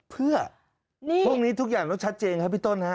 เพื่อช่วงนี้ทุกอย่างต้องชัดเจนครับพี่ต้นฮะ